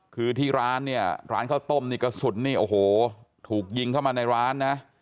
คือที่ร้านเนี่ยร้านข้าวต้มนี่กระสุนนี่โอ้โหถูกยิงเข้ามาในร้านนะ